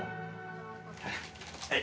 はい。